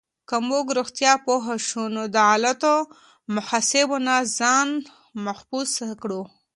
که موږ رښتیا پوه شو، نو د غلطو محاسبو نه ځان محفوظ کړو.